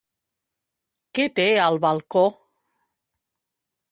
Què té al balcó?